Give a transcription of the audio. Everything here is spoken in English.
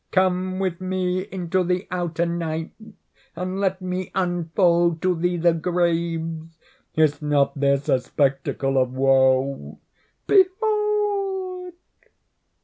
Come with me into the outer Night, and let me unfold to thee the graves. Is not this a spectacle of woe?—Behold!"